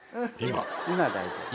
今大丈夫。